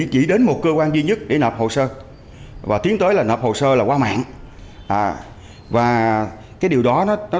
chỉ đến một cơ quan duy nhất để nập hồ sơ và tiến tới là nập hồ sơ là qua mạng và cái điều đó nó